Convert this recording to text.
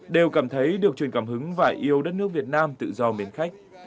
đều cảm thấy được truyền cảm hứng và yêu đất nước việt nam tự do mến khách